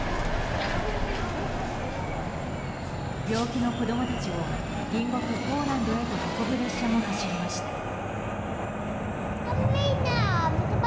病気の子供たちを隣国ポーランドへと運ぶ列車も走りました。